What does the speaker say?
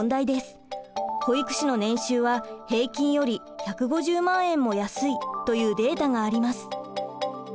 保育士の年収は平均より１５０万円も安いというデータがあります。